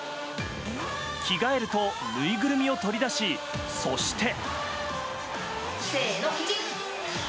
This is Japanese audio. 着替えるとぬいぐるみを取り出し、そして。